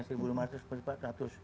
seribu lima ratus empat ratus